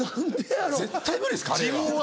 絶対無理ですカレーは。